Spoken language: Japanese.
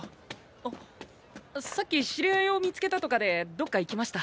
あさっき知り合いを見つけたとかでどっか行きました。